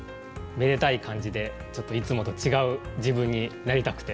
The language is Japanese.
めでたい感じでちょっといつもと違う自分になりたくてまいりました。